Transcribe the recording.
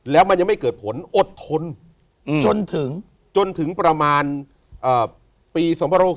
แล้วมันยังไม่เกิดผลอดทนจนถึงจนถึงประมาณปี๒๖๖